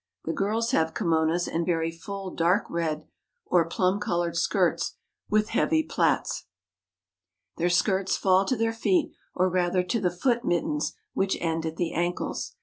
The girls have kimonos and very full dark red or plum colored skirts with heavy plaits. Their skirts fall to the feet, or rather to the foot mittens, which end at the ankles.